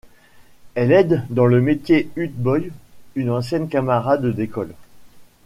Elle aide dans le métier Ute Boy, une ancienne camarade d'école.